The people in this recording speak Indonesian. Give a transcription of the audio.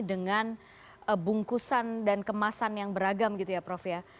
dengan bungkusan dan kemasan yang beragam gitu ya prof ya